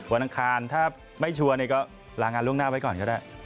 อังคารถ้าไม่ชัวร์เนี่ยก็ลางานล่วงหน้าไว้ก่อนก็ได้